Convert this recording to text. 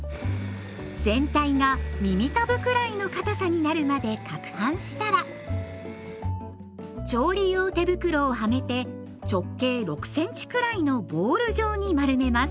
全体が耳たぶくらいのかたさになるまでかくはんしたら調理用手袋をはめて直径６センチくらいのボール状に丸めます。